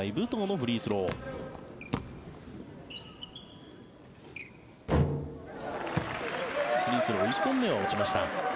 フリースロー１本目は落ちました。